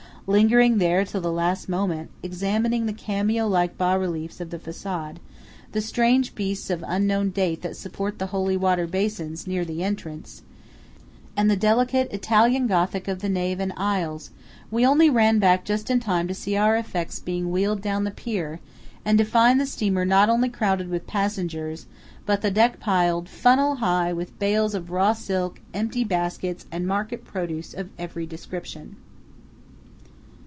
Lingering there till the last moment, examining the cameo like bas reliefs of the façade, the strange beasts of unknown date that support the holy water basins near the entrance, and the delicate Italian Gothic of the nave and aisles, we only ran back just in time to see our effects being wheeled down the pier, and to find the steamer not only crowded with passengers, but the deck piled, funnel high, with bales of raw silk, empty baskets, and market produce of every description.